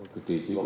gede sih pak